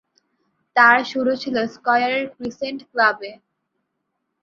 তার শুরু ছিল স্কয়ারের ক্রিসেন্ট ক্লাবে।